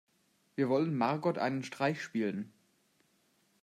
Wir wollen Margot einen Streich spielen.